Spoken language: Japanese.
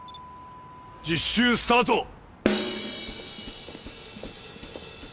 実習スタート！